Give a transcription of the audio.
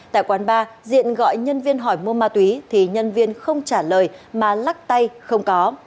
tại quán ba diện gọi nhân viên hỏi mua ma túy thì nhân viên không trả lời mà lắc tay không có